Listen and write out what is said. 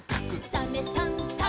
「サメさんサバさん」